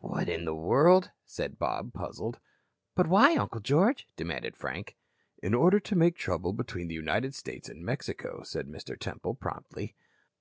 "What in the world?" said Bob, puzzled. "But why, Uncle George?" demanded Frank. "In order to make trouble between the United States and Mexico," said Mr. Temple, promptly.